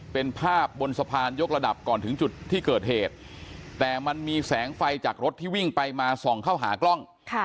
เป็นภาพบนสะพานยกระดับก่อนถึงจุดที่เกิดเหตุแต่มันมีแสงไฟจากรถที่วิ่งไปมาส่องเข้าหากล้อง